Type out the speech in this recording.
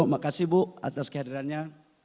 makasih bu atas kehadirannya